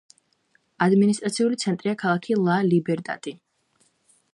ადმინისტრაციული ცენტრია ქალაქი ლა-ლიბერტადი.